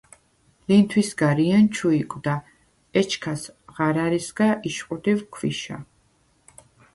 ლინთვისგა რიენ ჩუ იკვდა, ეჩქას ღარა̈რისგა იშყვდივ ქვიშა.